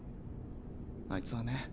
あいつはね